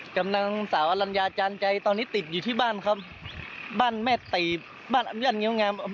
กำลังสาวอลัญญาจานใจตอนนี้ติดอยู่ที่บ้านครับบ้านแม่ตีบ้านอำนาจเงี้ยวงาม